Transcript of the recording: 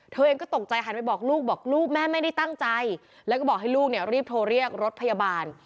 เธอเองก็ตกใจหันไปบอกลูกบอกลูกแม่ไม่ได้ตั้งใจแล้วก็บอกให้ลูกเนี่ยรีบโทรเรียกรถพยาบาล